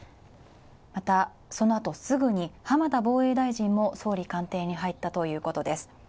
またそのあとすぐに浜田防衛大臣も総理官邸に入ったということです。